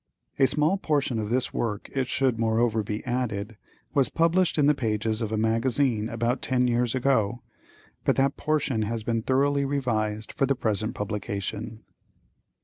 A small portion of this work it should, moreover, be added, was published in the pages of a magazine about ten years ago, but that portion has been thoroughly revised for the present publication.